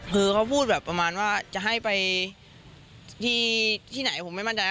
คือเขาพูดแบบประมาณว่าจะให้ไปที่ไหนผมไม่มั่นใจ